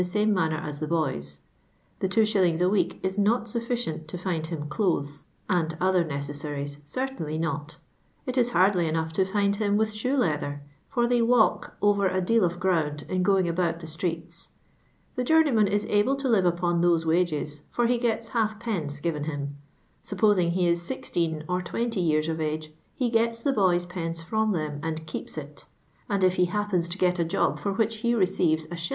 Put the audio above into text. ime manner as the boys. The 2.<. H n cek is not sufficient to fmd \\\m dol\ies «;i\di other necessaries, certainly not; it it hardly enough to find him with shoe leather, for they w<ilk over a deal of ground in going al»out the streets. The journeyman is able to live upon those wjigcs, for he gets halfpence given him : supposing he is IC or 20 years of age, fie gets the boys' pence from them and keeps it ; and if he happens to get a job for which he receives a Ix..